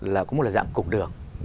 là cũng là dạng cục đường